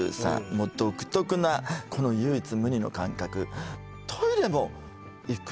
もう独特なこの唯一無二の感覚トイレも行く？